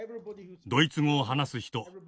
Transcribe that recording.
ドイツ語を話す人